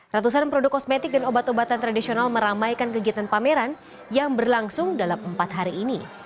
ratusan produk kosmetik dan obat obatan tradisional meramaikan kegiatan pameran yang berlangsung dalam empat hari ini